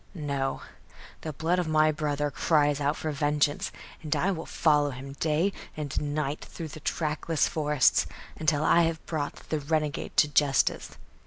No; the blood of my brother cries out for vengeance, and I will follow him day and night through the trackless forests, until I have brought the renegade to justice.